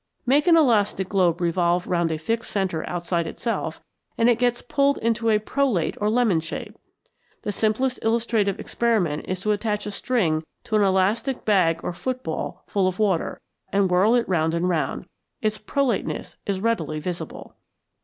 Make an elastic globe revolve round a fixed centre outside itself, and it gets pulled into a prolate or lemon shape; the simplest illustrative experiment is to attach a string to an elastic bag or football full of water, and whirl it round and round. Its prolateness is readily visible.